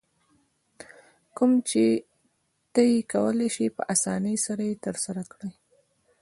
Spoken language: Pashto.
کوم چې ته یې کولای شې په اسانۍ سره یې ترسره کړې.